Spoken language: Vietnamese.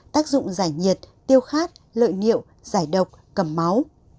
tác dụng giải nhiệt tiêu khát lợi niệu giải độc cầm máu